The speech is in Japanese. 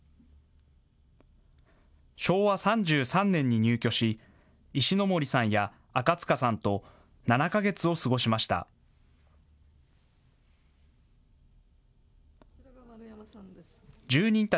昭和３３年に入居し石ノ森さんや赤塚さんと７か月を過ごしました。